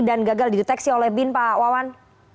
dan gagal dideteksi oleh bin pak wawan